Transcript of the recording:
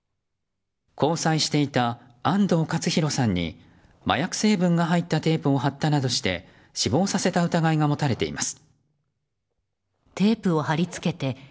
交際していた安藤勝弘さんに麻薬成分が入ったテープを貼ったなどして、死亡させた疑いが持たれています。